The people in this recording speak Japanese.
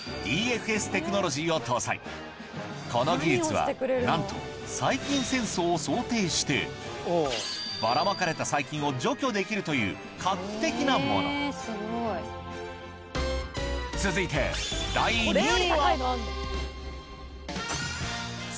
この技術はなんと細菌戦争を想定してばらまかれた細菌を除去できるという画期的なもの続いて第２位は？